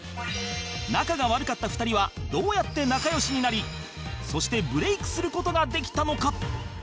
仲が悪かった２人はどうやって仲良しになりそしてブレイクする事ができたのか？